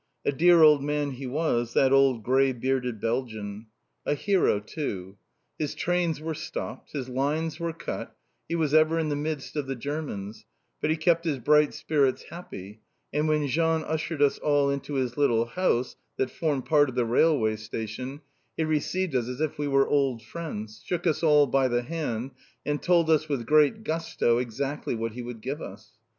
A dear old man he was, that old grey bearded Belgian. A hero too! His trains were stopped; his lines were cut; he was ever in the midst of the Germans, but he kept his bright spirits happy, and when Jean ushered us all in to his little house that formed part of the railway station, he received us as if we were old friends, shook us all by the hand, and told us, with great gusto, exactly what he would give us.